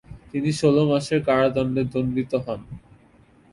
তিনি ষোল মাসের কারাদণ্ডে দণ্ডিত হন।